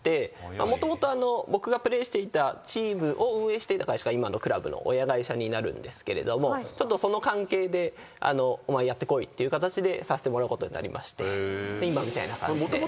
もともと僕がプレーしていたチームを運営していた会社が今のクラブの親会社になるんですけれどもちょっとその関係でお前やってこいっていう形でさせてもらうことになりまして。